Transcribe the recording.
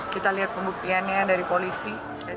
kita lihat pembuktiannya dari polisi